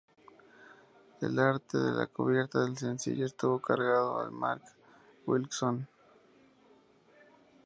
El arte de la cubierta del sencillo estuvo a cargo de Mark Wilkinson.